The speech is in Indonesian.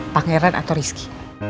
pangeran atau rizky